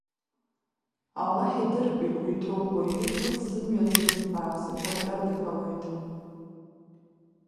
Аллаҳ идырп игәы иҭоу, уаҩы игәы ззымҩаӡо бааԥсык ҟаиҵаргьы ҟалоит.